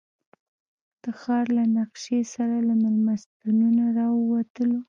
له ښار نقشې سره له مېلمستونه راووتلو.